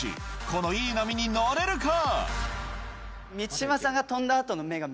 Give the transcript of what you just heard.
このいい波に乗れるか？